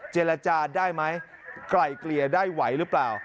เจรจาได้ไหมไกลเกลี่ยได้ไหวหรือเปล่า